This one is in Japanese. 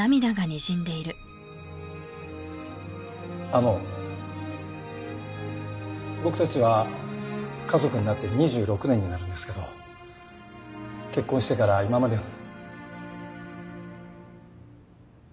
あの僕たちは家族になって２６年になるんですけど結婚してから今までの。